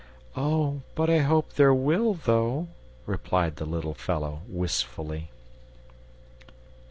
"Oh, but I hope there will, though!" replied the little fellow, wistfully.